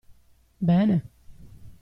Bene!